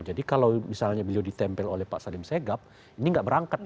jadi kalau misalnya beliau ditempel oleh pak salim sehgab ini nggak berangkat nih